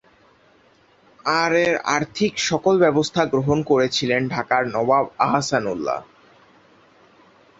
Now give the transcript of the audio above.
আর এর আর্থিক সকল ব্যবস্থা গ্রহণ করেছিলেন ঢাকার নবাব আহসানউল্লাহ।